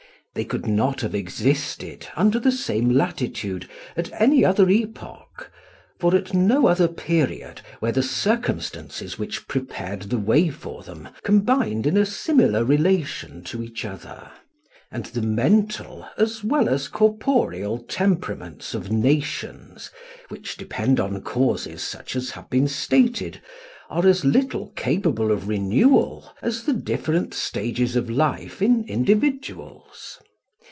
They could not have existed under the same latitude at any other epoch, for at no other period were the circumstances which prepared the way for them combined in a similar relation to each other, and the mental as well as corporeal temperaments of nations, which depend on causes such as have been stated, are as little capable of renewal as the different stages of life in individuals.